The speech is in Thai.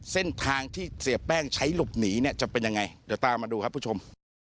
เส้นทางที่เสียแป้งใช้หลบหนีเนี่ยจะเป็นยังไงเดี๋ยวตามมาดูครับผู้ชม